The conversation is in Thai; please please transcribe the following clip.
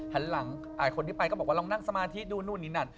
หันหลังคนที่ไปก็บอกว่าลองนั่งสมาธิดูนู่นนี่นั่น